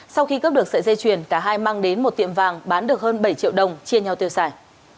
sau khi cướp được sợi dây chuyền cả hai mang đến một tiệm vàng bán được hơn bảy triệu đồng chia nhau tiêu xài